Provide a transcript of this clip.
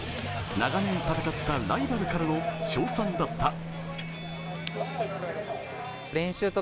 長年戦ったライバルからの賞賛だった。